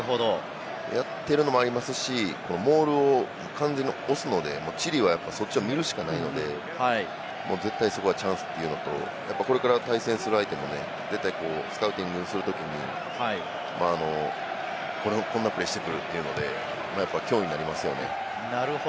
やってるのもありますし、モールを完全に押すので、チリはそっちを見るしかないので、もう絶対そこはチャンスというのと、これから対戦する相手にスカウティングするときにこんなプレーをしてくるというので、脅威になりますよね。